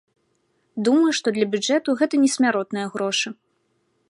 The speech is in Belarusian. Думаю, што для бюджэту гэта не смяротныя грошы.